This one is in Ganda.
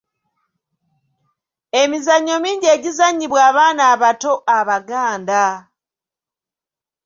Emizannyo mingi egizannyibwa abaana abato Abaganda